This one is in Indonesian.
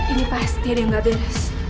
ini pasti ada yang gak beres